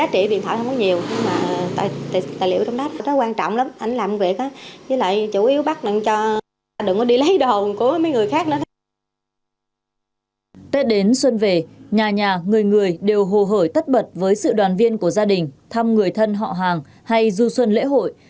tết đến xuân về nhà nhà người người đều hồ hởi tất bật với sự đoàn viên của gia đình thăm người thân họ hàng hay du xuân lễ hội